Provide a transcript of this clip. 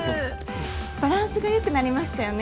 バランスが良くなりましたよね。